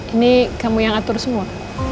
ini kamu yang atur semua